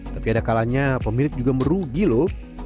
tapi ada kalanya pemilik juga merugi loh